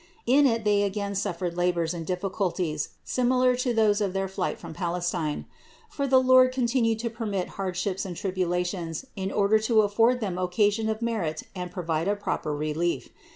In it They again suffered labors and difficulties similar to those of their flight from Palestine ; for the Lord continued to permit hardships and tribula tion in order to afford Them occasion of merit and pro vide a proper relief.